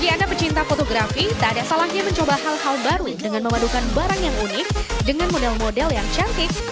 bagi anda pecinta fotografi tak ada salahnya mencoba hal hal baru dengan memadukan barang yang unik dengan model model yang cantik